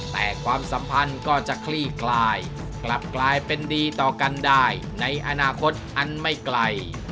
แต่ความสัมพันธ์ก็จะคลี่คลายกลับกลายเป็นดีต่อกันได้ในอนาคตอันไม่ไกล